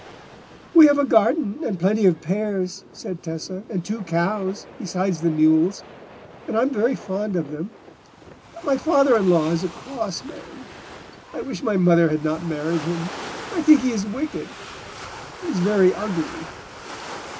"We have a garden and plenty of pears," said Tessa, "and two cows, besides the mules; and I'm very fond of them. But my father in law is a cross man: I wish my mother had not married him. I think he is wicked; he is very ugly."